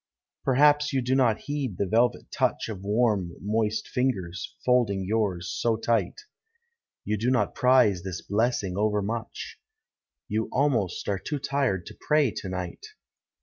Perhaps you do not heed the velvet touch Of warm, moist fingers, folding yours so tight; You do not prize this blessing overmuch, — Y'ou almost are too tired to pray to night.